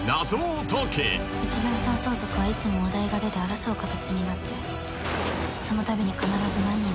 「うちの遺産相続はいつもお題が出て争う形になってそのたびに必ず何人も死人が出てる」